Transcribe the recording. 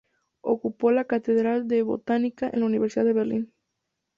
Ocupó la cátedra de Botánica en la Universidad de Berlín